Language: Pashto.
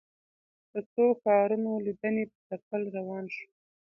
د څو ښارونو لیدنې په تکل روان شوو.